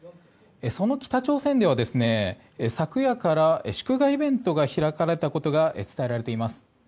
その北朝鮮では昨夜から祝賀イベントが開かれたことが伝えられています。